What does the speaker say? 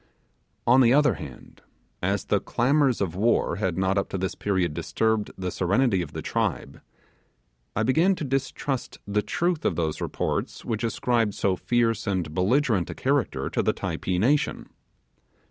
On the other hand, as the clamours of war had not up to this period disturbed the serenity of the tribe, I began to distrust the truth of those reports which ascribed so fierce and belligerent a character to the Typee nation.